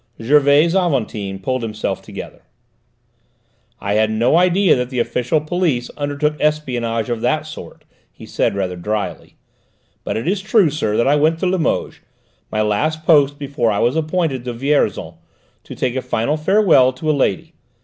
Gervais Aventin pulled himself together. "I had no idea that the official police undertook espionage of that sort," he said rather drily. "But it is true, sir, that I went to Limoges my last post before I was appointed to Vierzon to take a final farewell to a lady.